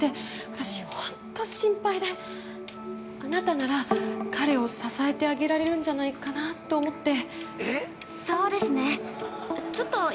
私、ほんと心配であなたなら彼を支えてあげられるんじゃないかなと思って。